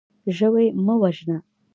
ژوی مه وژنه.